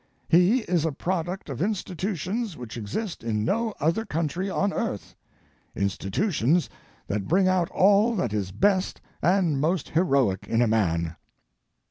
He is a product of institutions which exist in no other country on earth institutions that bring out all that is best and most heroic in a man.